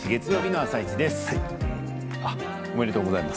あっ、おめでとうございます。